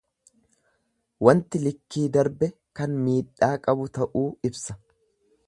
Wanti likki darbe kan miidhaa qabu ta'uu ibsa.